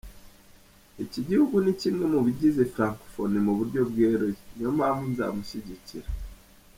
Iki gihugu ni kimwe mu bigize Francophonie mu buryo bweruye… ni yo mpamvu nzamushyigikira.”